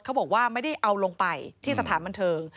เขาบอกว่าไม่ได้เอาลงไปที่สถานบันเทิง